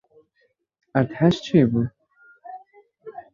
Erdhej çêbû?